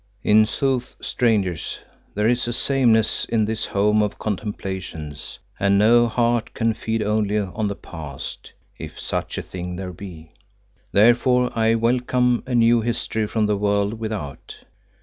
In sooth, Strangers, there is a sameness in this home of contemplations, and no heart can feed only on the past, if such a thing there be. Therefore I welcome a new history from the world without.